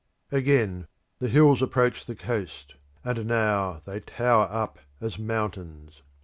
Again the hills approach the coast, and now they tower up as mountains.